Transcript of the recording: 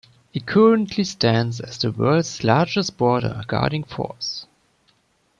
It currently stands as the world's largest border guarding force.